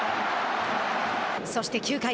そして９回。